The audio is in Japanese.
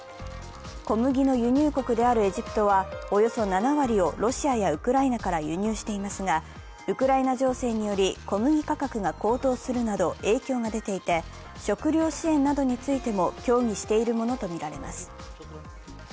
小麦の輸入国であるエジプトは、およそ７割をロシアやウクライナから輸入していますがウクライナ情勢により小麦価格が高騰するなど影響が出ていて、食料支援などについても協議しているものとみられます。